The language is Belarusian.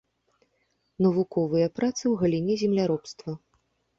Навуковыя працы ў галіне земляробства.